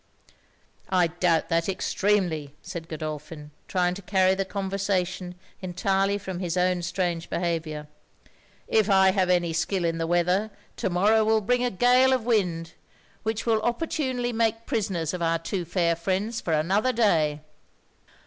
'I doubt that extremely,' said Godolphin, trying to carry the conversation entirely from his own strange behaviour. 'If I have any skill in the weather, to morrow will bring a gale of wind, which will opportunely make prisoners of our two fair friends for another day.'